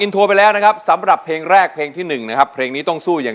โทรไปแล้วนะครับสำหรับเพลงแรกเพลงที่๑นะครับเพลงนี้ต้องสู้อย่าง